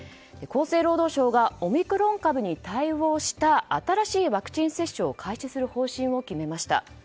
厚生労働省がオミクロン株に対応した新しいワクチン接種を開始する方針を決めました。